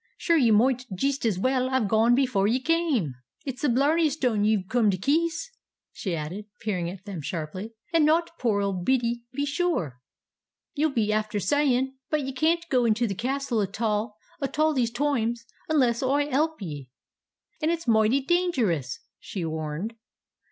"Sure, ye moight jist as well 'ave gone before ye came!" "It's the Blarney Stone ye've come to kiss," she added, peering at them sharply, "and not poor ould Biddy be sure, ye'll be after sayin'. But ye can't go into the Castle atall, atall, these toimes, unless Oi help ye." "And it's moighty dangerous!" she warned.